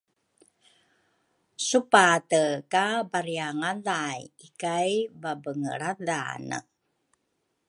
Supate ka bariangalay ikay babengelradhane